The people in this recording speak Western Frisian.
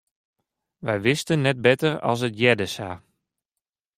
Wy wisten net better as it hearde sa.